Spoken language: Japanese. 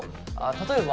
例えば。